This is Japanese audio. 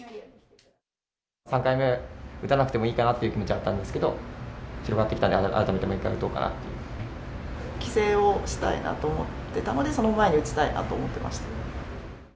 ３回目、打たなくてもいいかなって気持ちあったんですけど、広がってきたので、帰省をしたいなと思ってたので、その前に打ちたいなと思ってました。